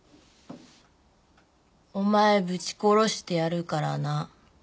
「おまえぶち殺してやるからな！」